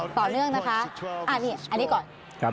ต่อเนื่องนะคะอันนี้ก่อน